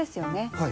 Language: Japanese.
はい。